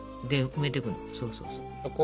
そうそうそう。